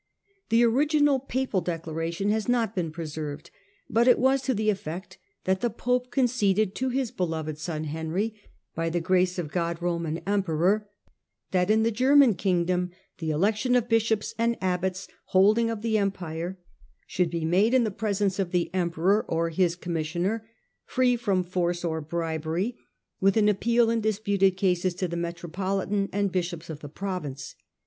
The original papal declaration has not been pre served, but it was to the effect that the pope conceded to his beloved son Henry, by the grace of God Eoman emperor, that in the German kingdom the election of bishops and abbots holding of the empire should be made in the presence of the emperor or his commis sioner, free from force or bribery, with an appeal in disputed cases to the metropolitan and bishops of the province.